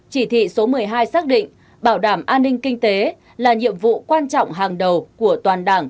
chỉ thị số một mươi hai xác định bảo đảm an ninh kinh tế là nhiệm vụ quan trọng hàng đầu của toàn đảng